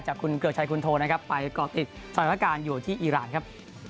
จากคุณเกือบชายคุณโทนะครับไปกรอบอีกส่วนประการอยู่ที่อีรานครับ